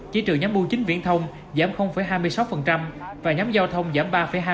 chỉ trừ nhóm bưu chính viễn thông giảm hai mươi sáu và nhóm giao thông giảm ba hai